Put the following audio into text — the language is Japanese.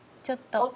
ちょっと。